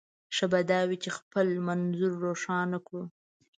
ښه به دا وي چې خپل منظور روښانه کړو.